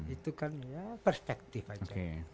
itu kan ya perspektif aja